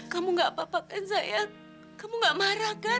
kamu gak apa apa kan saya kamu gak marah kan